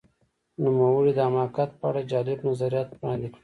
نوموړي د حماقت په اړه جالب نظریات وړاندې کړل.